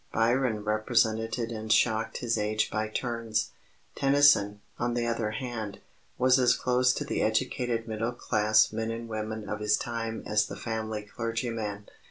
Byron represented and shocked his age by turns. Tennyson, on the other hand, was as close to the educated middle class men and women of his time as the family clergyman.